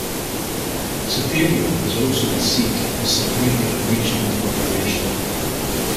Siparia is also the seat of the Siparia Regional Corporation.